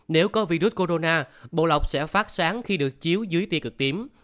nếu có virus corona bộ lọc sẽ phát sáng khi được chiếu dưới ti cực tím